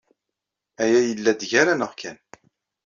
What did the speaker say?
Aya yella-d gar-aneɣ kan.